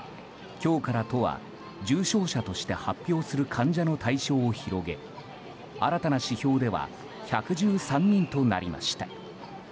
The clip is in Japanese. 今日から都は、重症者として発表する患者の対象を広げ新たな指標では１１３人となりました。